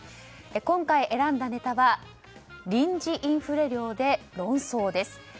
今回選んだネタは臨時インフレ料で論争です。